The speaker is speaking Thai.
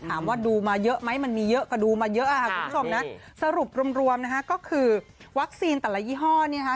ถามว่าดูมาเยอะไหมมันมีเยอะก็ดูมาเยอะค่ะคุณผู้ชมนะสรุปรวมนะคะก็คือวัคซีนแต่ละยี่ห้อเนี่ยค่ะ